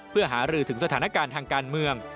เพื่อหารือถึงสถานการณ์ทางการเมือง